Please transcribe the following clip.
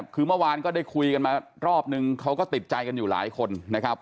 คือเมื่อวานก็ได้คุยกันมารอบนึงเขาก็ติดใจกันอยู่หลายคนนะครับ